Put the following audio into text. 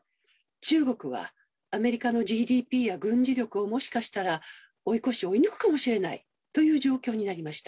中国はアメリカのＧＤＰや軍事力をもしかしたら追い越し追い抜くかもしれないという状況になりました。